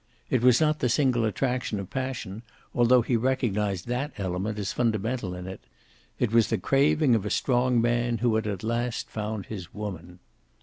It was not the single attraction of passion, although he recognized that element as fundamental in it. It was the craving of a strong man who had at last found his woman.